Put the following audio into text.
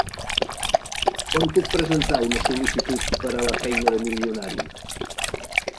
On puc presentar una sol·licitud per a la feina de milionari?